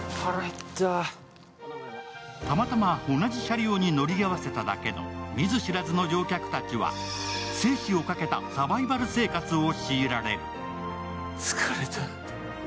たまたま同じ車両に乗り合わせただけの見ず知らずの乗客たちは生死をかけたサバイバル生活を強いられる。